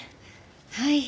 はい。